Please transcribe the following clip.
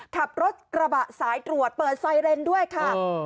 ขับรถกระบะสายตรวจเปิดไซเรนด้วยค่ะ